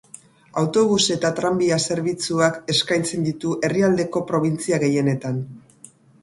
Autobus eta tranbia zerbitzuak eskaintzen ditu herrialdeko probintzia gehienetan.